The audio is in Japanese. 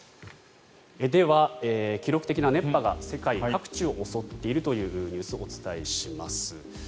では記録的な熱波が世界各地を襲っているニュースをお伝えします。